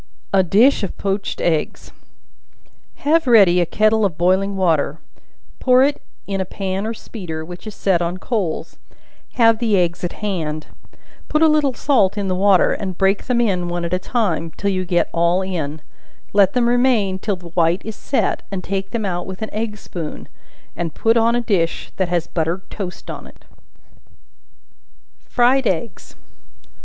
A Dish of Poached Eggs. Have ready a kettle of boiling water, pour it in a pan or speeder, which is set on coals; have the eggs at hand; put a little salt in the water, and break them in, one at a time, till you get all in; let them remain till the white is set, and take them out with an egg spoon, and put on a dish that has buttered toast on it. Fried Eggs.